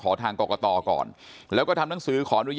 เพราะฉะนั้นก็เลยต้องขอทางกกตก่อน